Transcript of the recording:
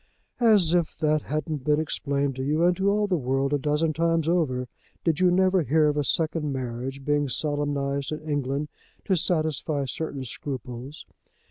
"As if that hadn't been explained to you, and to all the world, a dozen times over. Did you never hear of a second marriage being solemnized in England to satisfy certain scruples?